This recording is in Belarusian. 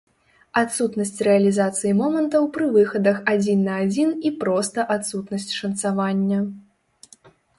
Адсутнасць рэалізацыі момантаў пры выхадах адзін на адзін і проста адсутнасць шанцавання.